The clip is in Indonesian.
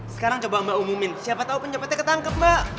sekarang coba mbak umumin siapa tau penjepatnya ketangkep mbak